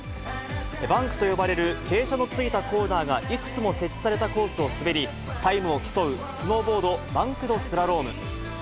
バンクと呼ばれる、傾斜のついたコーナーがいくつも設置されたコースを滑り、スノーボードバンクドスラローム。